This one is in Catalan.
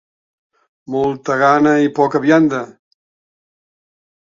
Molta gana i poca vianda.